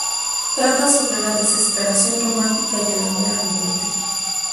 Trata sobre la desesperación romántica y el amor a la muerte.